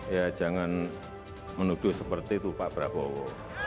ya jangan menuduh seperti itu pak prabowo